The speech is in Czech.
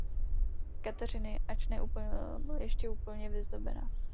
Kateřiny, ač ne ještě úplně vyzdobená.